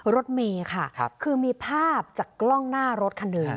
รถเมย์ค่ะคือมีภาพจากกล้องหน้ารถคันหนึ่ง